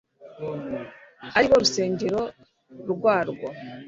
ari bo rusengero rwarwo